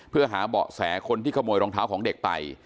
เพื่อหาเบาะแสคนที่ขโมยรองเท้าของเด็กไป